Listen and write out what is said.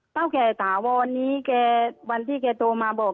เท่าแกสถาวรณ์นี้วันที่แกโตมาบอก